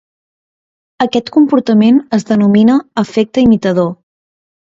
Aquest comportament es denomina "efecte imitador".